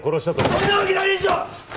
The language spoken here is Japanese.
そんなわけないでしょう！